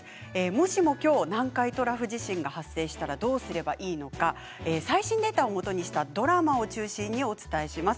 もしも今日、南海トラフ地震が発生したらどうすればいいのか最新データをもとにしたドラマを中心にお伝えします。